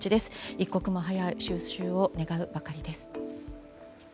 一刻も早い収拾を願うばかりです。